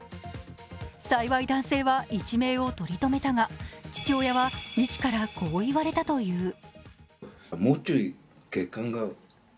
幸い、男性は一命を取りとめたが父親は医師からこう言われたという。